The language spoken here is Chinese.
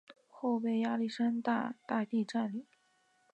后被亚历山大大帝占领。